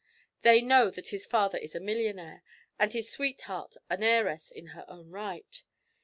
They know that his father is a millionaire, and his sweetheart an heiress in her own right.